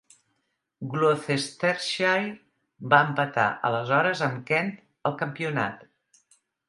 Gloucestershire va empatar aleshores amb Kent al campionat.